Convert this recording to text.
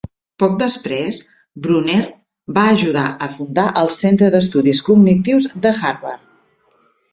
Poc després, Bruner va ajudar a fundar el Centre d'Estudis Cognitius de Harvard.